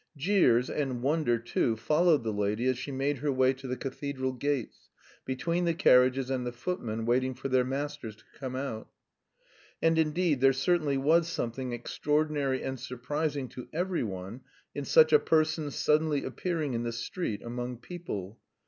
Jeers, and wonder too, followed the lady as she made her way to the cathedral gates, between the carriages and the footmen waiting for their masters to come out. And indeed, there certainly was something extraordinary and surprising to every one in such a person's suddenly appearing in the street among people.